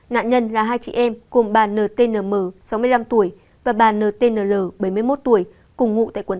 nạn nhân là hai chị em cùng bà ntnm sáu mươi năm tuổi và bà ntnl bảy mươi một tuổi cùng ngụ tại quận tám